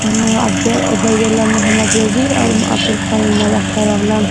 عبید الله محمد وزیر اوعبدالقیوم ناوخته راغله .